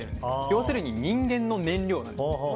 要するに人間の燃料なんです。